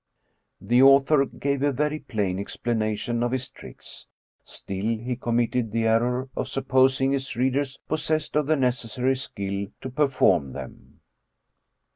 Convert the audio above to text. The author gave a very plain explanation of his tricks ; still, he committed the error of supposing his reader's pos sessed of the necessary skill to perform them.